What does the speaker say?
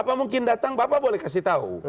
bapak mungkin datang bapak boleh kasih tau